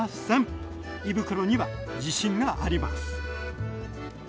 胃袋には自信があります。